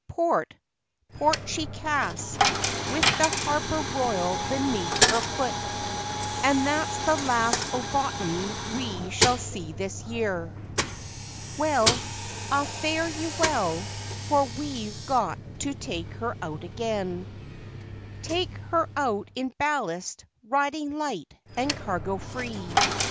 Port port she casts, with the harbour roil beneath her foot, And that's the last o' bottom we shall see this year! Well, ah fare you well, for we've got to take her out again Take her out in ballast, riding light and cargo free.